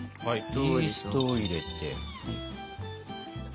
はいイーストを入れて。